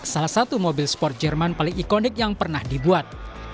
salah satu mobil sport jerman paling ikonik yang pernah dibuat